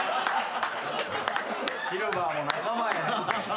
シルバーも仲間やって。